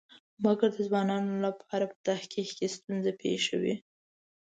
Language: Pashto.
مګر د ځوانانو لپاره په تحقیق کې ستونزه پېښوي.